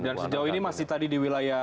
dan sejauh ini masih tadi diwilayahkan